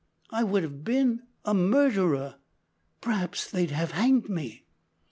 I would have been a murderer! P'raps they'd have hanged me!"